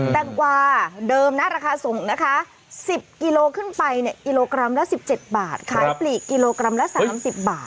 แตงกว่าเดิมนะราคาสูงนะคะ๑๐กิโลขึ้นไปเนี่ยกิโลกรัมละ๑๗บาทขายปลีกกิโลกรัมละ๓๐บาท